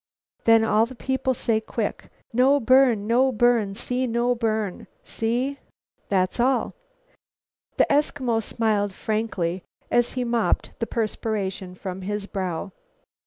"Then all the people say quick, 'No burn! No burn!' So no burn. See? That's all." The Eskimo smiled frankly, as he mopped the perspiration from his brow.